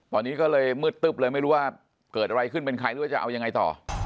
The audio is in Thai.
ตอนนี้ก็เลยมืดตึ๊บเลยไม่รู้ว่าเกิดอะไรขึ้นเป็นใครหรือว่าจะเอายังไงต่อ